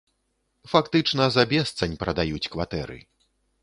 Фактычна за бесцань прадаюць кватэры.